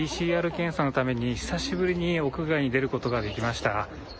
ＰＣＲ検査のために、久しぶりに屋外に出ることができました。